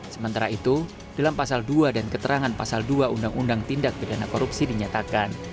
sementara itu dalam pasal dua dan keterangan pasal dua undang undang tindak pidana korupsi dinyatakan